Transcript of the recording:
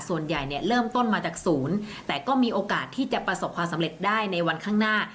ส่วนใหญ่เนี่ยเริ่มต้นมาจากศูนย์แต่ก็มีโอกาสที่จะประสบความสำเร็จได้ในวันข้างหน้า